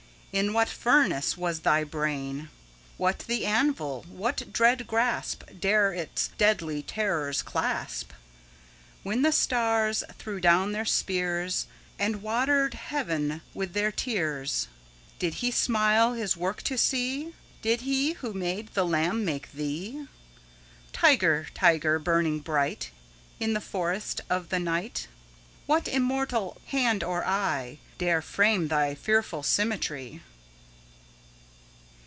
In what furnace was thy brain? What the anvil? What dread grasp 15 Dare its deadly terrors clasp? When the stars threw down their spears, And water'd heaven with their tears, Did He smile His work to see? Did He who made the lamb make thee? 20 Tiger, tiger, burning bright In the forests of the night, What immortal hand or eye Dare frame thy fearful symmetry?